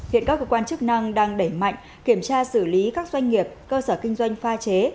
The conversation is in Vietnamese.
hiện các cơ quan chức năng đang đẩy mạnh kiểm tra xử lý các doanh nghiệp cơ sở kinh doanh pha chế